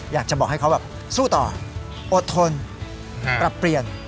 อยากจะบอกให้เขาแบบสู้ต่ออดทนปรับเปลี่ยน